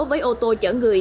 với ô tô chở người